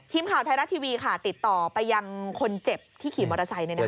ทีมข่าวไทยรัฐทีวีติดต่อไปยังคนเจ็บที่ขี่มอเตอร์ไซค์